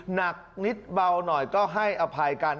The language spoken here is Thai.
หนักนิดเบาหน่อยก็ให้อภัยกัน